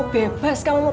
ya terserah kamu